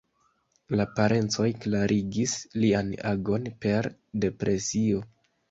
La parencoj klarigis lian agon per depresio.